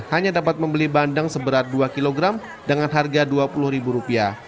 hanya dapat membeli bandeng seberat dua kg dengan harga rp dua puluh